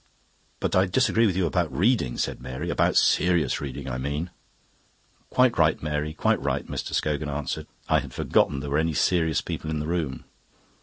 "But I disagree with you about reading," said Mary. "About serious reading, I mean." "Quite right, Mary, quite right," Mr. Scogan answered. "I had forgotten there were any serious people in the room."